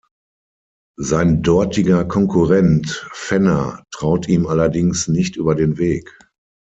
Sein dortiger Konkurrent Fenner traut ihm allerdings nicht über den Weg.